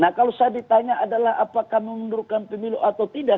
nah kalau saya ditanya adalah apakah mengundurkan pemilu atau tidak